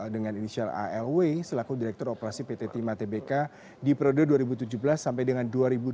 dengan inisial alw selaku direktur operasi pt timah tbk di periode dua ribu tujuh belas sampai dengan dua ribu dua puluh